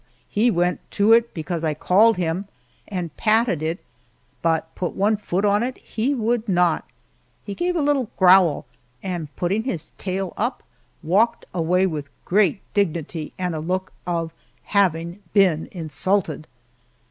He went to it because I called him and patted it, but put one foot on it he would not. He gave a little growl, and putting his tail up, walked away with great dignity and a look of having been insulted.